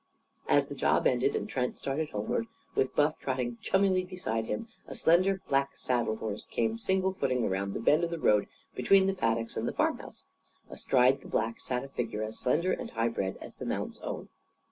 As the job ended, and Trent started homeward, with Buff trotting chummily beside him, a slender black saddle horse came single footing around the bend of the road between the paddocks and the farmhouse. Astride the black, sat a figure as slender and highbred as the mount's own.